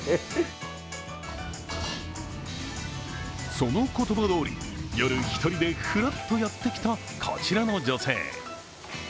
その言葉どおり、夜１人でふらっとやってきた、こちらの女性。